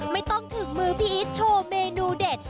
ไม่ต้องถึงมือพี่อีทโชว์เมนูเด็ด